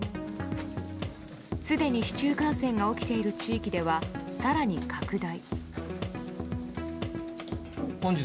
すでに市中感染が起きている地域では更に拡大。